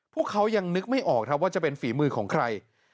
พวกเขายังนึกไม่ออกครับว่าจะเป็นฝีมือของใคร